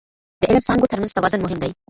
د علم څانګو ترمنځ توازن مهم دی.